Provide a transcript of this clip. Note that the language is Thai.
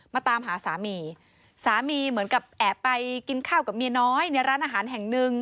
ตามหาสามีสามีเหมือนกับแอบไปกินข้าวกับเมียน้อยในร้านอาหารแห่งหนึ่ง